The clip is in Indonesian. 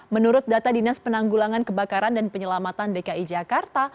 menurut data dinas penanggulangan kebakaran dan penyelamatan dki jakarta